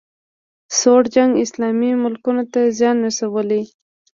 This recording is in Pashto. سوړ جنګ اسلامي ملکونو ته زیان رسولی